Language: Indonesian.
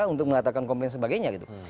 untuk mengatakan komplain dan sebagainya gitu